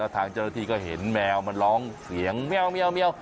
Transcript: ทางจรธิ์ก็เห็นแมวมันร้องเสียงแมว